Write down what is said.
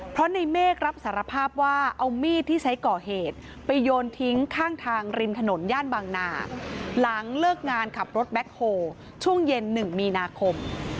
เพราะในเมฆรับสารภาพว่าเอามีดที่ใช้ก่อเหตุไปโยนทิ้งข้างทางริมถนนย่านบางนาหลังเลิกงานขับรถแบ็คโฮช่วงเย็น๑มีนาคม